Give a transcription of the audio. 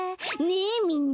ねえみんな。